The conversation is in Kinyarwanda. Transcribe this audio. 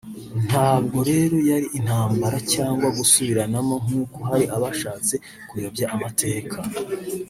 Ntabwo rero yari intambara cyangwa gusubiranamo nk’uko hari abashatse kuyobya amateka